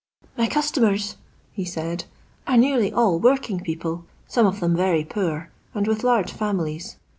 " My customers," he said, "are nearly all working people, some of them very poor, and with large families.